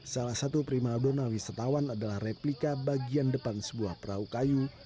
salah satu primadona wisatawan adalah replika bagian depan sebuah perahu kayu